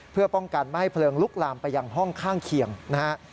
เพื่อป้องกันไม่ให้เพลิงลุกลามไปยังห้องข้างเคียงนะฮะ